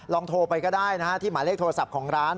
ลองโทรไปก็ได้นะฮะที่หมายเลขโทรศัพท์ของร้าน๐๖๓๗๕๙๖๖๔๙